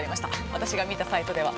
私が見たサイトでは。